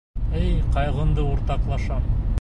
Әй, ҡайғыңды уртаҡлашам.